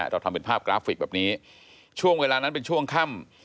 เราทำเป็นภาพกราฟิกแบบนี้ช่วงเวลานั้นเป็นช่วงค่ำ